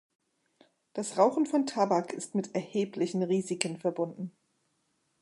Das Rauchen von Tabak ist mit erheblichen Risiken verbunden.